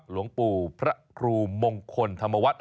หลวงปู่พระครูมงคลธรรมวัฒน์